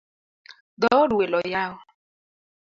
Dhood welo oyaw